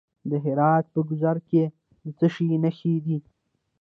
د هرات په ګذره کې د څه شي نښې دي؟